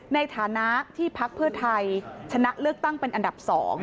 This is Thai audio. ในฐานะที่พักเพื่อไทยชนะเลือกตั้งเป็นอันดับ๒